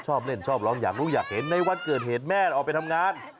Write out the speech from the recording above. ชอบเล่นชอบร้องอยากรู้อยากเห็นในวันเกิดเหตุแม่ออกไปทำงาน